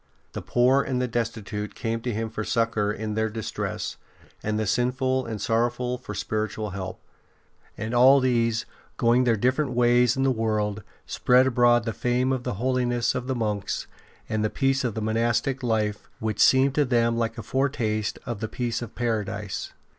The poor and the destitute came to him for succour in their distress, the sinful and sorrowful for spiritual help. And all these, going their different ways in the world, spread abroad the fame of the holiness of the monks and the peace of the monastic life, which seemed to them like a foretaste of the peace of Paradise.